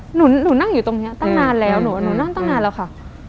หนูนั่งอยู่ตรงนี้ตั้งนานแล้วหนูนั่งตั้งนานแล้วค่ะ